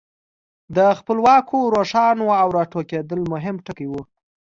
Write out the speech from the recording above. د خپلواکو ښارونو را ټوکېدل مهم ټکي وو.